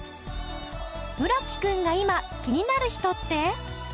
村木くんが今気になる人って？